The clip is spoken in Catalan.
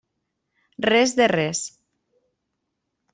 Res de res.